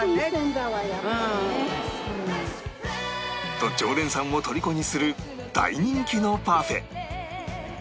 と常連さんもとりこにする大人気のパフェ